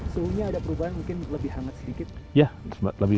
suhunya ada perubahan mungkin lebih hangat sedikit